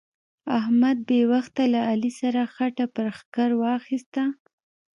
احمد بې وخته له علي سره خټه پر ښکر واخيسته.